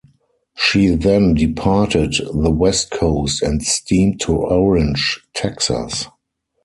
She then departed the west coast and steamed to Orange, Texas.